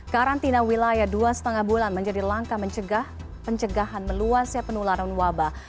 karantina wilayah dua lima bulan menjadi langkah pencegahan meluasnya penularan wabah